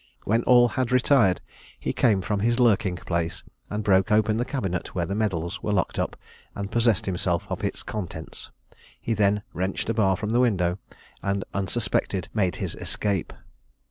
When all had retired he came from his lurking place, and broke open the cabinet where the medals were locked up, and possessed himself of its contents; he then wrenched a bar from the window, and, unsuspected, made his escape.